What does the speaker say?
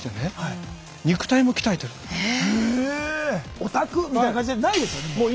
「オタク」みたいな感じじゃないですよね。